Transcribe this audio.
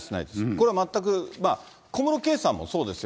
これは全く、小室圭さんもそうですよ。